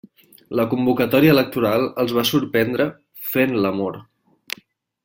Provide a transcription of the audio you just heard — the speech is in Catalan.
La convocatòria electoral els va sorprendre fent l'amor.